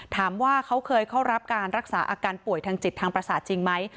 ถามว่าเขาเคยเข้ารับการรักษาอาการป่วยทางจิตทางประสาทจริงไหม